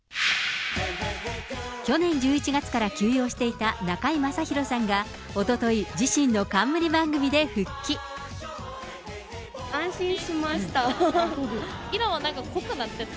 去年１１月から休養していた中居正広さんが、おととい、安心しました。